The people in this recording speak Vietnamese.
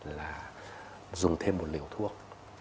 là dùng thêm một liều thuốc